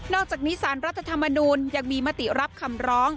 อกจากนี้สารรัฐธรรมนูลยังมีมติรับคำร้อง